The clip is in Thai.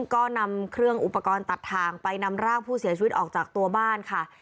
ก็นำเครื่องอุปกรณ์ตัดทางไปนำร่างผู้เสียชีวิตออกจากตัวบ้านค่ะ